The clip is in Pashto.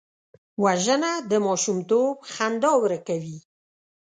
وژنه د ماشومتوب خندا ورکوي